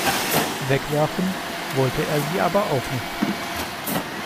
Wegwerfen wollte er sie aber auch nicht.